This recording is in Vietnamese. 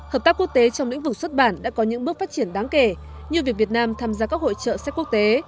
hợp tác quốc tế trong lĩnh vực xuất bản đã có những bước phát triển đáng kể như việc việt nam tham gia các hội trợ sách quốc tế